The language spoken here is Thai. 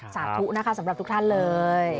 สาธุนะคะสำหรับทุกท่านเลย